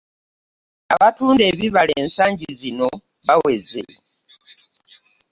Abatunda ebibala ensanji zino baweze .